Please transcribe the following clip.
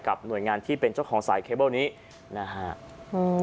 กับหน่วยงานที่เป็นเจ้าของสายเคเบล์นี้นะครับ